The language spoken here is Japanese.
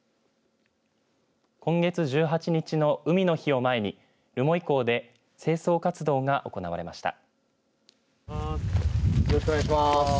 今月１８日の海の日を前に留萌港で清掃活動が行われました。